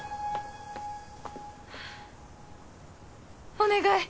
お願い！